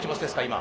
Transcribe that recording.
今。